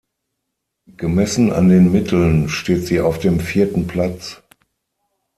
Gemessen an den Mitteln steht sie auf dem vierten Platz.